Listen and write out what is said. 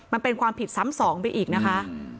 มันเป็นความผิดซ้ำสองไปอีกนะคะ